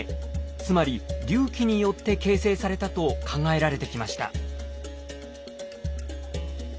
つまり隆起によって形成されたと考えられてきました。